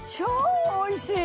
おいしい！